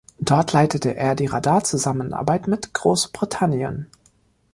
Dort leitete er die Radar-Zusammenarbeit mit Großbritannien.